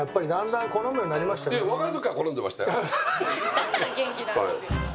だから元気なんですよ。